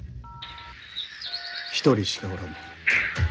一人しかおらぬ。